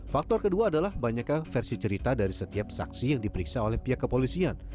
faktor kedua adalah banyak versi cerita dari setiap saksi yang diperiksa oleh pihak kepolisian